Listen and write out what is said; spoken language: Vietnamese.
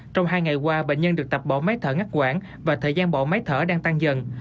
trong hai ngày qua bệnh nhân được tập bỏ máy thở ngắt quãng và thời gian bỏ máy thở đang tăng dần